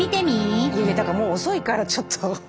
いやいやもう遅いからちょっと。